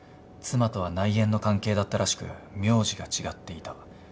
妻とは内縁の関係だったらしく名字が違っていた。